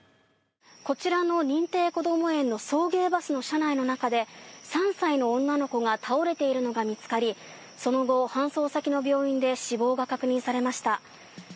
こちらの認定こども園の送迎バスの車内の中で３歳の女の子が倒れているのが見つかりその後、搬送先の病院で死亡が確認されました。